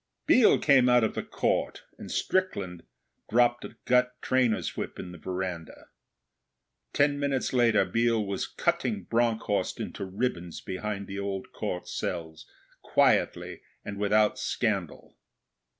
Biel came out of the Court, and Strickland dropped a gut trainer's whip in the veranda. Ten minutes later, Biel was cutting Bronckhorst into ribbons behind the old Court cells, quietly and without scandal.